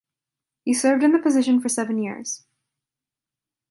He served in the position for seven years.